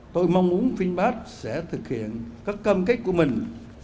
tôi mong muốn finbat sẽ thực hiện các cam kết của mình